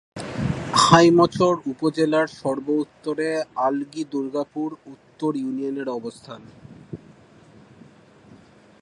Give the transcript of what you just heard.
হাইমচর উপজেলার সর্ব-উত্তরে আলগী দুর্গাপুর উত্তর ইউনিয়নের অবস্থান।